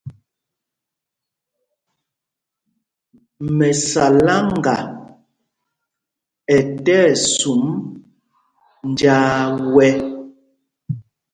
Mɛsáláŋga ɛ tí ɛsum njāā wɛ̄.